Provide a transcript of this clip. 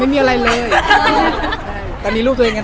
โหเดี๋ยวถ่ายมาให้แบบกะนำ